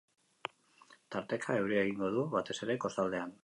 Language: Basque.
Tarteka euria egingo du, batez ere, kostaldean.